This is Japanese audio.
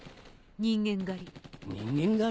人間狩り。